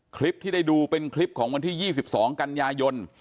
คลิปที่ได้ดูเป็นคลิปของวันที่๒๒กันยายน